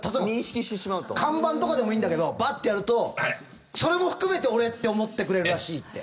例えば看板とかでもいいんだけどバッてやるとそれも含めて俺って思ってくれるらしいって。